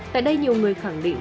tại đây nhiều người khẳng định